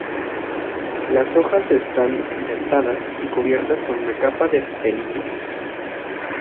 Las hojas están dentadas y cubiertas con una capa de pelillos.